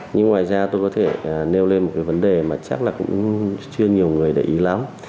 nhưng ngoài ra tôi có thể nêu lên một cái vấn đề mà chắc là cũng chưa nhiều người để ý lắm